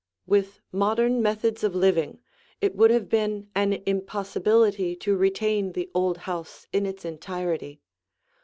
Another View] With modern methods of living, it would have been an impossibility to retain the old house in its entirety.